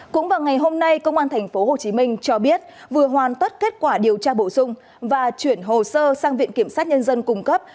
cũng vào ngày hôm nay công an thành phố hồ chí minh cho biết vừa hoàn tất kết quả điều tra bổ sung và chuyển hồ sơ sang viện kiểm sát nhân dân cung cấp